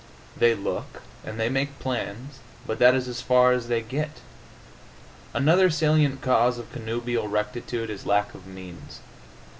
They look and they make plans, but that is as far as they get. Another salient cause of connubial rectitude is lack of means.